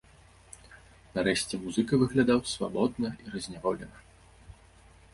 Нарэшце музыка выглядаў свабодна і разняволена.